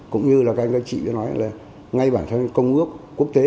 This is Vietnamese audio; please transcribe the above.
cũng như là các anh các chị đã nói là ngay bản thân công ước quốc tế